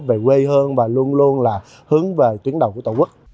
về quê hương và luôn luôn là hướng về tuyến đầu của tổ quốc